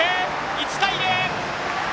１対０！